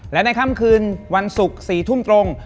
และในค่ำคืนวันศุกร์๔ทุ่มตรง